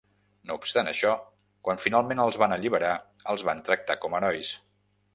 No obstant això, quan finalment els van alliberar els van tractar com herois.